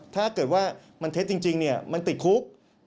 ถ้าเกิดว่ามันเท็จจริงมันติดคุก